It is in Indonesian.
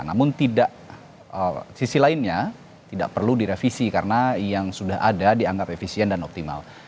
namun sisi lainnya tidak perlu direvisi karena yang sudah ada dianggap efisien dan optimal